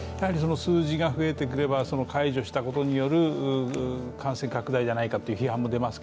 数字が増えてしまうと解除したことによる感染拡大じゃないかと批判も出ます。